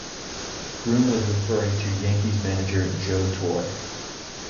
Groom was referring to Yankees manager Joe Torre.